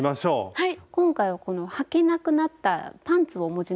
はい。